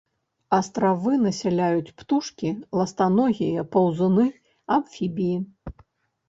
Астравы насяляюць птушкі, ластаногія, паўзуны, амфібіі.